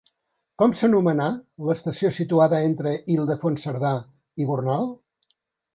Com s'anomenà l'estació situada entre Ildefons Cerdà i Gornal?